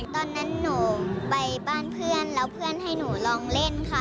ตอนนั้นหนูไปบ้านเพื่อนแล้วเพื่อนให้หนูลองเล่นค่ะ